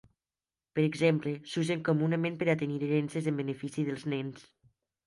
Per exemple, s'usen comunament per a tenir herències en benefici dels nens.